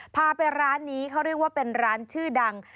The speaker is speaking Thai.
พาไปร้านนี้เขาเรียกว่าเป็นร้านชื่อดัง